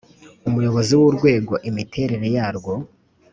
umuyobozi w urwego imiterere yarwo